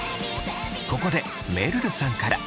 ここでめるるさんから。